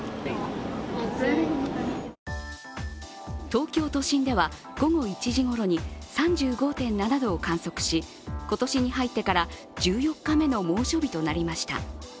東京都心では午後１時ごろに３５．７度を観測し今年に入ってから、１４日目の猛暑日となりました。